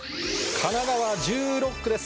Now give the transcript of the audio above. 神奈川１６区です。